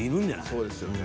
そうですよね。